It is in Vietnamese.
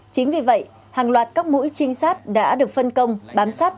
chính vì vậy hàng loạt các mũi trinh sát đã được phân công bám sát